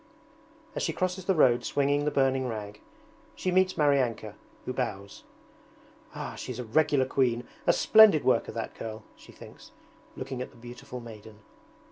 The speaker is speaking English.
As she crosses the road swinging the burning rag, she meets Maryanka, who bows. 'Ah, she's a regular queen, a splendid worker, that girl!' she thinks, looking at the beautiful maiden.